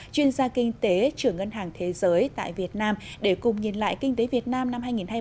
chuyên gia kinh tế trưởng ngân hàng thế giới tại việt nam để cùng nhìn lại kinh tế việt nam năm hai nghìn hai mươi ba